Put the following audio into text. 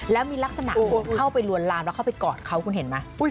แล้วมีลักษณะคนเข้าไปลวนลามแล้วเข้าไปกอดเขาคุณเห็นไหม